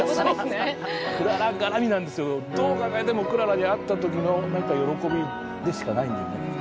どう考えてもクララに会った時のなんか喜びでしかないんだよね。